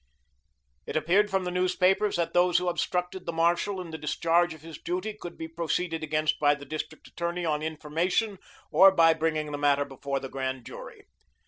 It appeared from the newspapers that those who obstructed the marshal in the discharge of his duty could be proceeded against by the District Attorney on information or by bringing the matter before the Grand Jury.